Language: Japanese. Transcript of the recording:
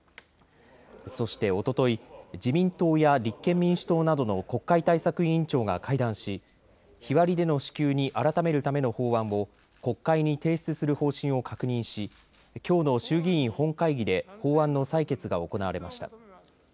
そしておととい、自民党や立憲民主党などの国会対策委員長が会談し、日割りでの支給に改めるための法案を国会に提出する方針を確認しきょうの衆議院本会議で法案の採決が行われました。